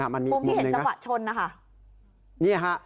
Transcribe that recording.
มันมีอีกมุมหนึ่งค่ะมุมที่เห็นจังหวะชนนะคะ